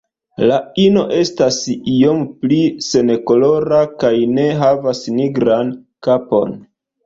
La ino estas iom pli senkolora kaj ne havas nigran kapon.